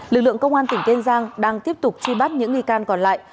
lực lượng công an tp hcm đang tiếp tục chi bắt những nghi can còn lại